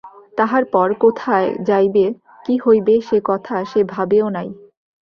তাহার পর কোথায় যাইবে, কী হইবে, সে কথা সে ভাবেও নাই।